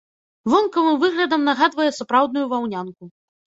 Вонкавым выглядам нагадвае сапраўдную ваўнянку.